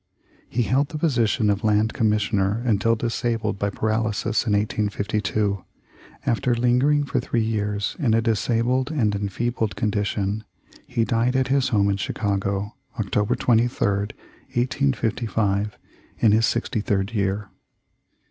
"He held the position of Land Commissioner until disabled by paralysis in 1852. After lingering for three years in a dis abled and enfeebled condition, he died at his home in Chicago, October 23d, 1855, in his sixty third year.